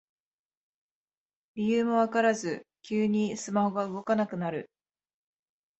理由もわからず急にスマホが動かなくなる